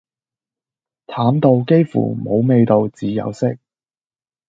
淡到幾乎無味道只有色